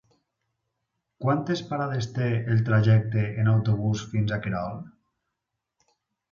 Quantes parades té el trajecte en autobús fins a Querol?